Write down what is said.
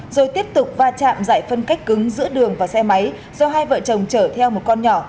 rồi tiếp tục va chạm giải phân cách cứng giữa đường và xe máy do hai vợ chồng chở theo một con nhỏ